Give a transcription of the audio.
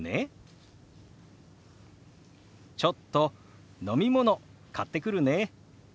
「ちょっと飲み物買ってくるね」。